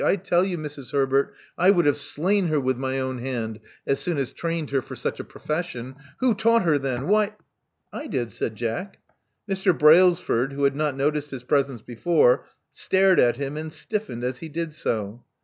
I tell you, Mrs. Herbert, I would have slain her with my own hand as soon as trained her for such a profession. Who taught her then? Why *• '*I did," said Jack. Mr. Brailsford, who had not noticed his presence before, stared at him, and stiffened as he did so.